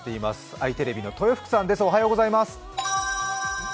あいテレビの豊福さんです。